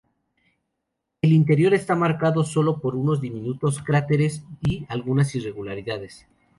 El interior está marcado solo por unos diminutos cráteres y algunas irregularidades.